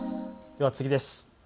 では次です。